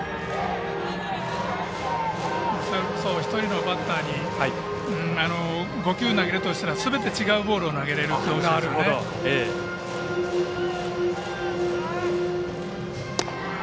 １人のバッターに５球投げるとしたら、すべて違うボールを投げられる投手ですね。